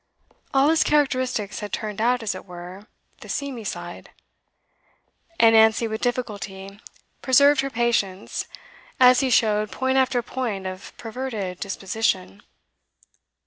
All his characteristics had turned out, as it were, the seamy side; and Nancy with difficulty preserved her patience as he showed point after point of perverted disposition.